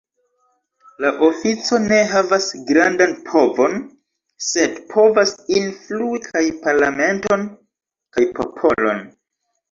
La ofico ne havas grandan povon, sed povas influi kaj parlamenton kaj popolon.